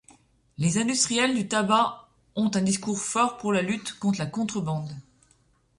Les industriels du tabac ont un discours fort pour la lutte contre la contrebande.